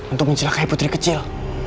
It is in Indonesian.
untuk mencelakai putri kecil